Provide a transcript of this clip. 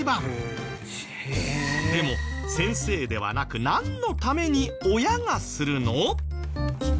でも先生ではなくなんのために親がするの？